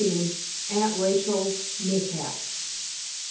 AUNT RACHEL'S MISHAPS.